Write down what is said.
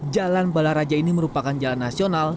jalan balaraja ini merupakan jalan nasional